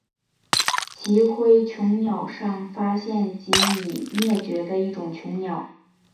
奇辉椋鸟上发现及已灭绝的一种椋鸟。